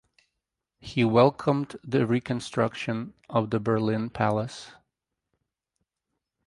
He welcomed the reconstruction of the Berlin Palace.